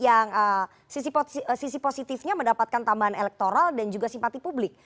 yang sisi positifnya mendapatkan tambahan elektoral dan juga simpati publik